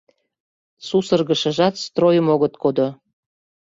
Сусыргышыжат стройым огыт кодо.